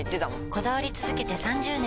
こだわり続けて３０年！